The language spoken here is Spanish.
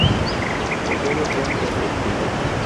Los ojos son pedunculados.